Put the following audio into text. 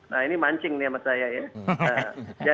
nah ini mancing nih sama saya ya